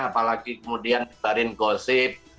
apalagi kemudian dibarin gosip